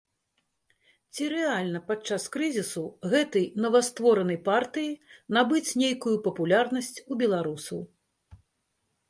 Ці рэальна падчас крызісу гэтай новастворанай партыі набыць нейкую папулярнасць у беларусаў?